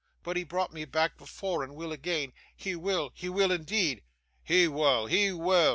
'But he brought me back before, and will again. He will, he will indeed.' 'He wull, he wull!